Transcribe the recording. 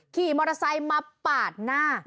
ขี่มอเตอร์ไซค์มาปาดหน้า